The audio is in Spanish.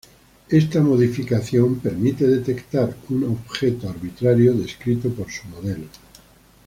Esta modificación permite detectar un objeto arbitrario descrito por su modelo.